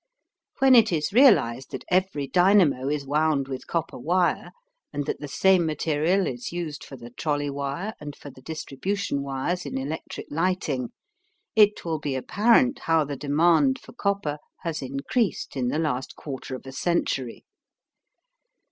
When it is realized that every dynamo is wound with copper wire and that the same material is used for the trolley wire and for the distribution wires in electric lighting, it will be apparent how the demand for copper has increased in the last quarter of a century.